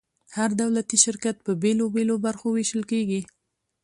هر دولتي شرکت په بیلو بیلو برخو ویشل کیږي.